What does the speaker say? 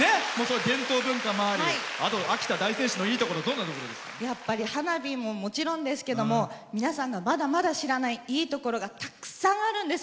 伝統文化もありあと秋田県大仙市のいいところやっぱり花火ももちろんですけど皆さんもまだまだ知らないいいところがたくさんあるんです。